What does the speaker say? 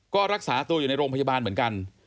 ก็รักษาตัวอยู่ในโรงพยาบาลเหมือนกัน